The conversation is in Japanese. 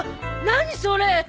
何それ！